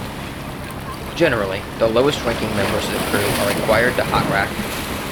Generally, the lowest ranking members of the crew are required to hot rack.